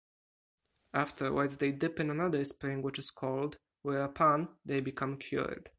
Afterwards they dip in another spring which is cold, whereupon...they become cured.